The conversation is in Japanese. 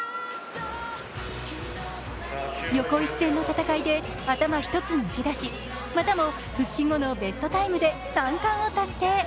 横一線の戦いで頭一つ抜けだしまたも復帰後のベストタイムで３冠を達成。